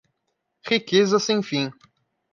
Riqueza sem fim